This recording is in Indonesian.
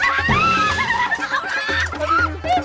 apa lu gila lu tuh kan